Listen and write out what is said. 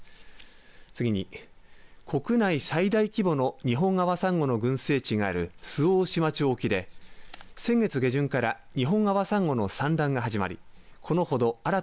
次に国内最大規模のニホンアワサンゴの群生地がある周防大島町沖で先月下旬からニホンアワサンゴの産卵が始まり